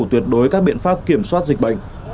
tuyệt đối các biện pháp kiểm soát dịch bệnh